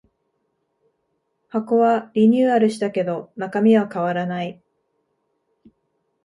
箱はリニューアルしたけど中身は変わらない